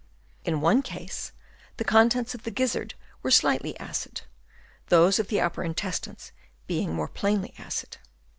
In one case the contents of the gizzard were slightly acid, those of the upper intestines being more plainly acid.